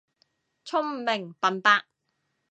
聰明笨伯